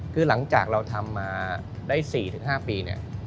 คือหลังจากเราทำมาได้๔๕ปีเนี่ย